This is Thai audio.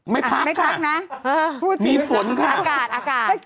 ไม่พักค่ะมีฝนค่ะพูดถึงอากาศอากาศ